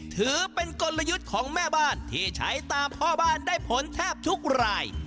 ถือเป็นกลยุทธ์ของแม่บ้านที่ใช้ตามพ่อบ้านได้ผลแทบทุกราย